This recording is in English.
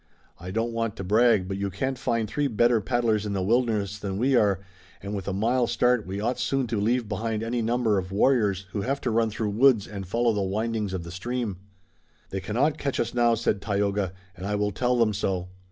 I don't want to brag, but you can't find three better paddlers in the wilderness than we are, and with a mile start we ought soon to leave behind any number of warriors who have to run through the woods and follow the windings of the stream." "They cannot catch us now," said Tayoga, "and I will tell them so."